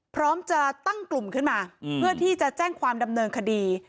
พร้อมจะตั้งกลุ่มขึ้นมาเพื่อที่จะแจ้งความดำเนินคดี